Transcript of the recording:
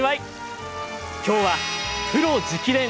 今日は「プロ直伝！」